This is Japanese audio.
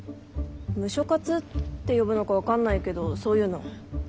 ムショ活って呼ぶのか分かんないけどそういうの。